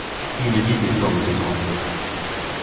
Il vit des formes étranges.